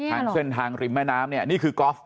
ทางเส้นทางริมแม่น้ำเนี่ยนี่คือกอล์ฟ